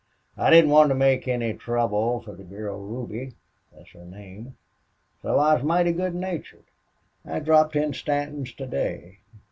I didn't want to make any trouble for the girl Ruby thet's her name so I was mighty good natured.... I dropped in Stanton's to day.